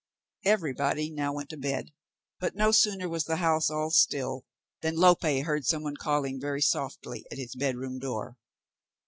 Everybody now went to bed, but no sooner was the house all still, than Lope heard some one calling very softly at his bed room door.